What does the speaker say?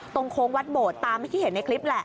โค้งวัดโบดตามที่เห็นในคลิปแหละ